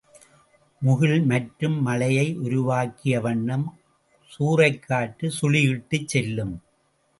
முகில் மற்றும் மழையை உருவாக்கிய வண்ணம் சூறைக்காற்று சுழியிட்டுச் செல்லும்.